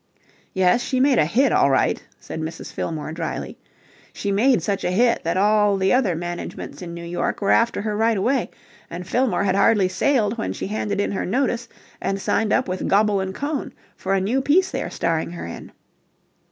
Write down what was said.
"Yes, she made a hit all right," said Mrs. Fillmore drily. "She made such a hit that all the other managements in New York were after her right away, and Fillmore had hardly sailed when she handed in her notice and signed up with Goble and Cohn for a new piece they are starring her in."